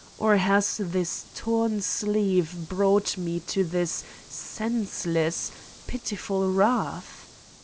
Or has this torn sleeve brought me to this senseless, pititful wrath?